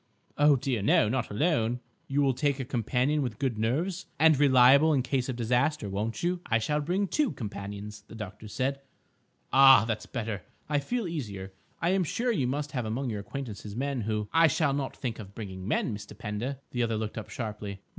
"Oh, dear, no; not alone." "You will take a companion with good nerves, and reliable in case of disaster, won't you?" "I shall bring two companions," the doctor said. "Ah, that's better. I feel easier. I am sure you must have among your acquaintances men who—" "I shall not think of bringing men, Mr. Pender." The other looked up sharply.